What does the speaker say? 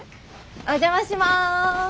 お邪魔します。